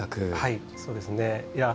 はいそうですね。